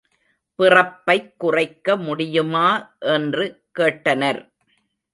பிறப்பைக் குறைக்க முடியுமா என்று கேட்டனர்.